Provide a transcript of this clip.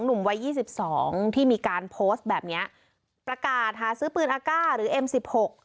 หนุ่มวัยยี่สิบสองที่มีการโพสต์แบบเนี้ยประกาศหาซื้อปืนอากาศหรือเอ็มสิบหก